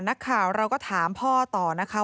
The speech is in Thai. นักข่าวเราก็ถามพ่อต่อนะคะ